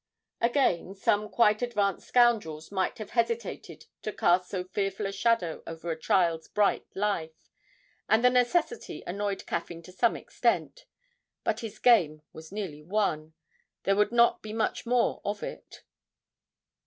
Again some quite advanced scoundrels might have hesitated to cast so fearful a shadow over a child's bright life, and the necessity annoyed Caffyn to some extent, but his game was nearly won there would not be much more of it.